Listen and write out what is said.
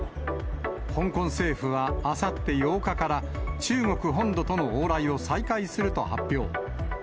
香港政府はあさって８日から、中国本土との往来を再開すると発表。